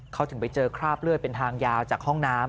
เขาถึงไปเจอคราบเลือดเป็นทางยาวจากห้องน้ำ